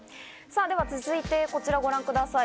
さあ続いてはこちらをご覧ください。